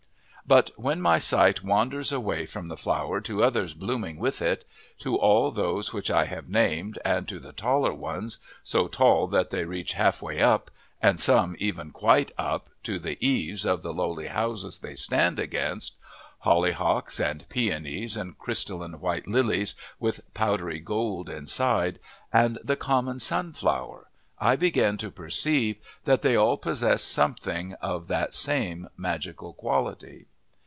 But when my sight wanders away from the flower to others blooming with it to all those which I have named and to the taller ones, so tall that they reach half way up, and some even quite up, to the eaves of the lowly houses they stand against hollyhocks and peonies and crystalline white lilies with powdery gold inside, and the common sunflower I begin to perceive that they all possess something of that same magical quality.